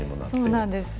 そうなんです。